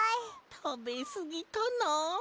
たべすぎたなあ。